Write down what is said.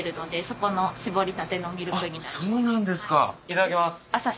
いただきます。